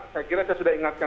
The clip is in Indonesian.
saya kira saya sudah ingatkan